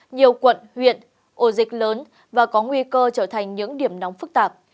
nhiều quận huyện ổ dịch lớn và có nguy cơ trở thành những điểm nóng phức tạp